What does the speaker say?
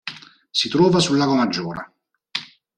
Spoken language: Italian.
Si trova sul Lago Maggiore.